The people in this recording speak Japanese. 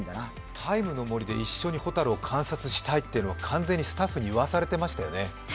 ＴＩＭＥ，の森で一緒にほたるを観察したいというのは完全にスタッフに言わされてましたよね？